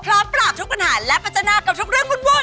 พร้อมปรับทุกปัญหาและปัจจนากับทุกเรื่องวุ่น